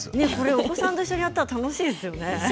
お子さんとやったら楽しいですね。